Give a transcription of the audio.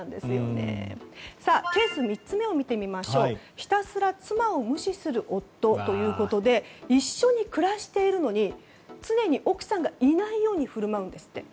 ひたすら妻を無視する夫ということで一緒に暮らしているのに常に奥さんがいないように振る舞うんですって。